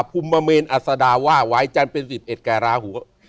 ภุมเมนอสดาว่าวายจันทร์เป็นสิบเอ็ดแก่ราหู